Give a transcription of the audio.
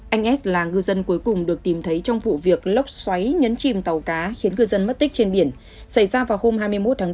anh s là ngư dân cuối cùng được tìm thấy trong vụ việc lốc xoáy nhấn chìm tàu cá khiến ngư dân mất tích trên biển xảy ra vào hôm hai mươi một tháng bốn